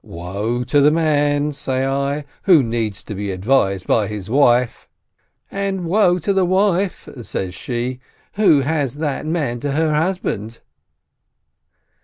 — "Woe to the man," say I, "who needs to be advised by his wife!" — "And woe to the wife," says she, "who has that man to her husband